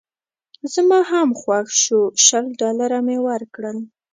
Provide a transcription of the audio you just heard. زما هم خوښ شو شل ډالره مې ورکړل.